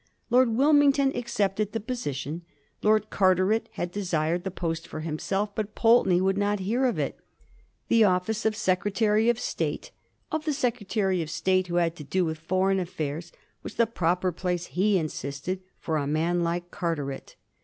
Lord Wilmington accepted the position. Lord Carteret had desired the post for himself, but Pulteney would not hear of it. The office of Secretary of State — of the Secretary of State who had to do with foreign affairs — was the proper place, he insisted, for a man like Carteret.